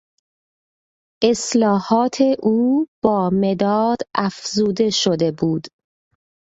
اصلاحات او با مداد افزوده شده بود.